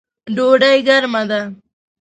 ډوډۍ ګرمه ده